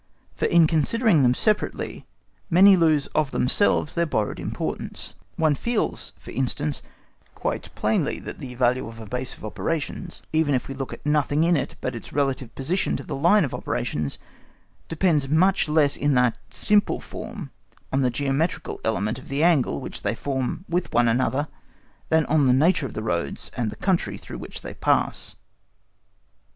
For, in considering them separately, many lose of themselves their borrowed importance; one feels, for instance, quite plainly that the value of a base of operations, even if we look at nothing in it but its relative position to the line of operations, depends much less in that simple form on the geometrical element of the angle which they form with one another, than on the nature of the roads and the country through which they pass.